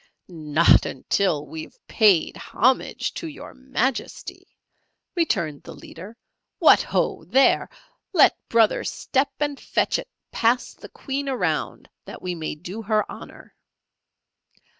"Not until we have paid homage to your Majesty," returned the leader. "What ho! there! Let Brother Step and Fetch It pass the Queen around that we may do her honour."